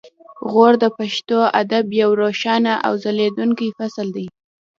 غور د پښتو ادب یو روښانه او ځلیدونکی فصل دی